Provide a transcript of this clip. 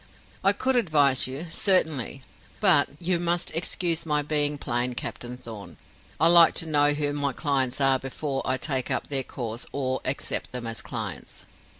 "I could advise you, certainly. But you must excuse my being plain, Captain Thorn I like to know who my clients are before I take up their cause or accept them as clients."